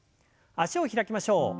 脚を開きましょう。